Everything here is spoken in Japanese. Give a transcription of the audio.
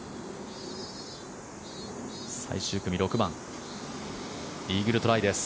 最終組６番イーグルトライです。